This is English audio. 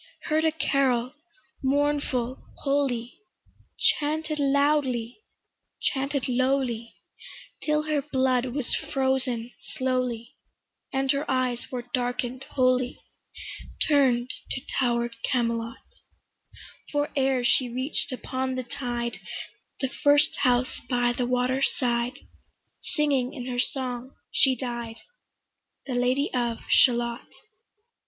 Heard a carol, mournful, holy, Chanted loudly, chanted lowly, Till her blood was frozen slowly, And her eyes were darken'd wholly, Turn'd to tower'd Camelot; For ere she reach'd upon the tide The first house by the water side, Singing in her song she died, The Lady of Shalott.